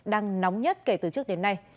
đang nóng nhất kể từ trước đến nay